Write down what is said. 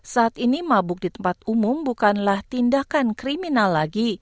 saat ini mabuk di tempat umum bukanlah tindakan kriminal lagi